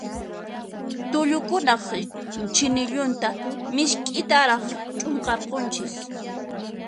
Tullukunaq chinillunta misk'itaraq ch'unqarqunchis.